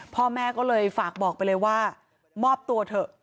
พ่อแม่ก็เลยฝากบอกไปเลยว่ามอบตัวเถอะ